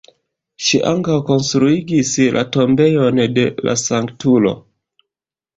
Ŝi ankaŭ konstruigis la tombejon de la sanktulo.